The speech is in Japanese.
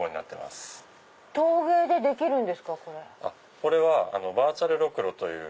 これはバーチャルろくろという。